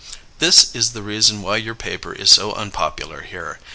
This is the reason why your paper is so unpopular here.